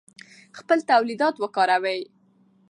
خپل تولیدات وکاروئ.